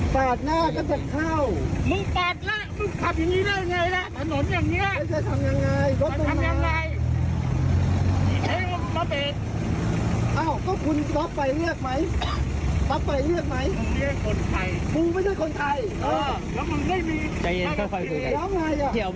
เป็นชี่แอ๋วไหมไม่มีอะไรเกิดขึ้นหมด